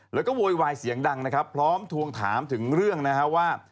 แล้วก็โวยวายเสียงดังนะครับพร้อมทวงถามถึงเรื่องนะฮะว่า